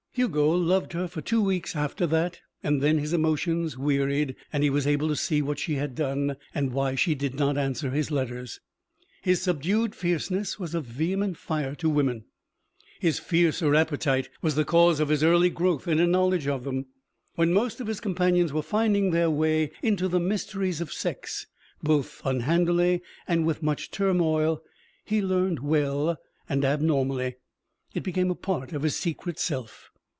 Hugo loved her for two weeks after that, and then his emotions wearied and he was able to see what she had done and why she did not answer his letters. His subdued fierceness was a vehement fire to women. His fiercer appetite was the cause of his early growth in a knowledge of them. When most of his companions were finding their way into the mysteries of sex both unhandily and with much turmoil, he learned well and abnormally. It became a part of his secret self.